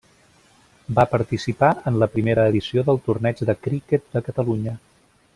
Va participar en la primera edició del Torneig de Criquet de Catalunya.